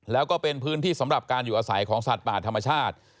แล้วก็เป็นพื้นที่สำหรับการอยู่อาศัยของสัตว์ป่าธรรมชาติ